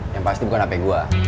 yang pasti bukan hp dua